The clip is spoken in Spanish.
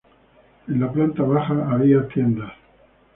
En la planta baja había tiendas.